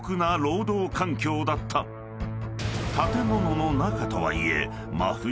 ［建物の中とはいえ］